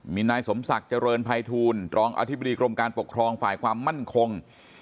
มีนายสมศักดิ์เจริญภัยทูลรองอธิบดีกรมการปกครองฝ่ายความมั่นคง